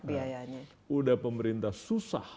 biayanya udah pemerintah susah